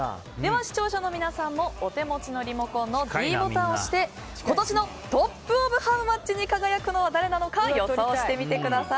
視聴者の皆さんもお手持ちのリモコンのｄボタンを押して今年のトップ・オブ・ハウマッチに輝くのは誰なのか予想してみてください。